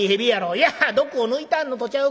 『いや毒を抜いてあんのとちゃうか』